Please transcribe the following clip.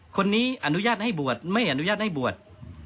อนุญาตให้บวชไม่อนุญาตให้บวช